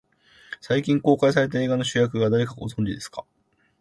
最近公開された映画の主役が誰か、ご存じですか。